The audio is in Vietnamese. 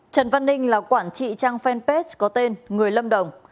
trần văn ninh là quản trị trang fanpage có tên người lâm đồng